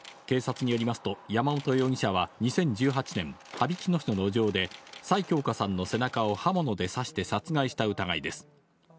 警察によりますと、山本容疑者は２０１８年、羽曳野市の路上で、崔喬可さんの背中を刃物で刺して殺害した疑いです。